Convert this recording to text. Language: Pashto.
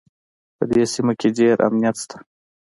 په دې سیمه کې ډېر امنیت شته